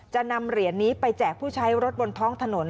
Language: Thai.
จะนำเหรียญนี้ไปแจกผู้ใช้รถบนท้องถนน